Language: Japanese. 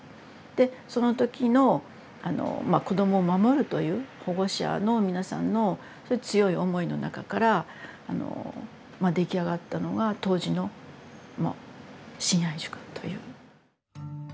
でその時のあの子どもを守るという保護者の皆さんのそういう強い思いの中から出来上がったのが当時の信愛塾という。